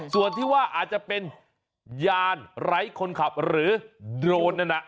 ส่วนที่ว่าอาจจะเป็นยานไร้คนขับหรือโดรนนั่นน่ะ